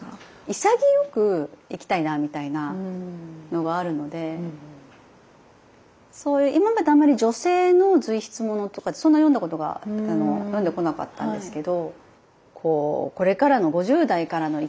潔く生きたいなみたいなのはあるのでそういう今まであまり女性の随筆ものとかってそんな読んだことが読んでこなかったんですけど。